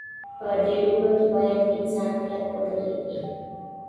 په دې لوبه کې باید انسان کلک ودرېږي.